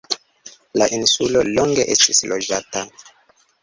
La insulo longe estis loĝata.